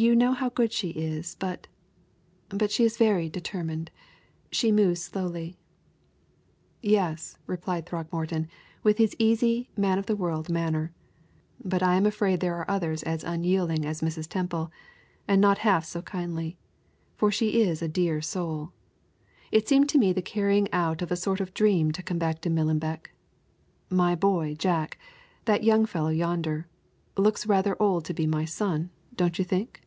You know how good she is, but but she is very determined; she moves slowly." "Yes," replied Throckmorton, with his easy, man of the world manner; "but I am afraid there are others as unyielding as Mrs. Temple, and not half so kindly for she is a dear soul! It seemed to me the carrying out of a sort of dream to come back to Millenbeck. My boy Jack that young fellow yonder looks rather old to be my son, don't you think?"